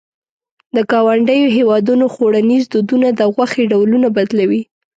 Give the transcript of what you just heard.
د ګاونډیو هېوادونو خوړنيز دودونه د غوښې ډولونه بدلوي.